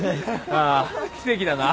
ああ奇跡だな。